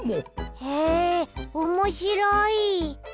へえおもしろい。